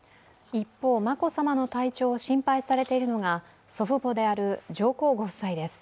一方、眞子さまの体調を心配されているのが祖父母である上皇ご夫妻です。